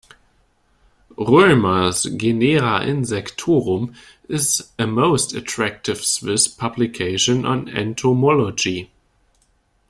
Roemer's "Genera insectorum" is a most attractive Swiss publication on entomology.